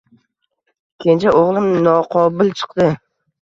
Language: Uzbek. Kenja o`g`lim noqobil chiqdi